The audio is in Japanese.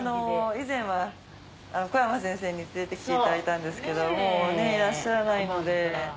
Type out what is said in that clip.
以前は小山先生に連れてきていただいたんですけどいらっしゃらないので。